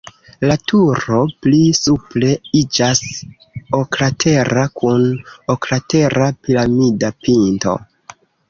La turo pli supre iĝas oklatera kun oklatera piramida pinto.